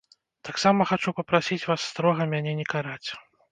Таксама хачу папрасіць вас строга мяне не караць.